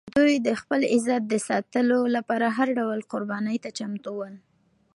دوی د خپل عزت د ساتلو لپاره هر ډول قربانۍ ته چمتو ول.